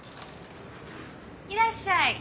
いらっしゃい！